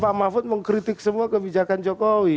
pak mahfud mengkritik semua kebijakan jokowi